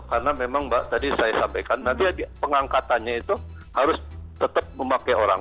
karena memang mbak tadi saya sampaikan nanti pengangkatannya itu harus tetap memakai orang